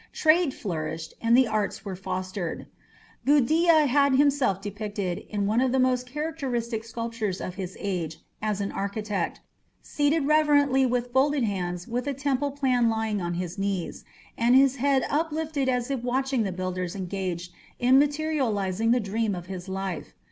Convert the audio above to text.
Trade flourished, and the arts were fostered. Gudea had himself depicted, in one of the most characteristic sculptures of his age, as an architect, seated reverently with folded hands with a temple plan lying on his knees, and his head uplifted as if watching the builders engaged in materializing the dream of his life.